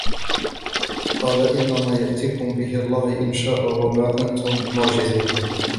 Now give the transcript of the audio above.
قال إنما يأتيكم به الله إن شاء وما أنتم بمعجزين